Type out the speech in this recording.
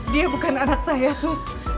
dia bukan anak saya sus